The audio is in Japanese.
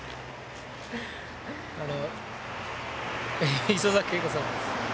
あの磯恵子さんです。